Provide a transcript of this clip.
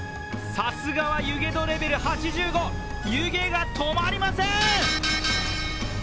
さすがは湯気度レベル８５湯気が止まりません。